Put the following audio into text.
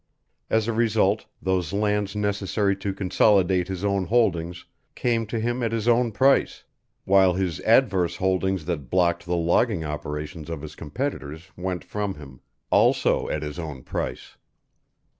As a result those lands necessary to consolidate his own holdings came to him at his own price, while his adverse holdings that blocked the logging operations of his competitors went from him also at his own price.